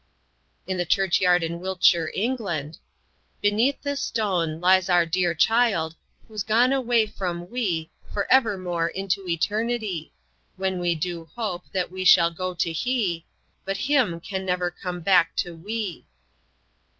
In a church yard in Wiltshire, England: "Beneath this stone lies our dear child Whos' gone away from we For evermore into eternity; When we do hope that we shall go to he But him can never come back to we."